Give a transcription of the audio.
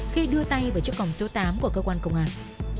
khi đưa tay vào chiếc còng số tám của cơ quan công an